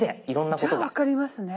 じゃあ分かりますね。